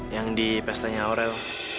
yang di pestanya aurel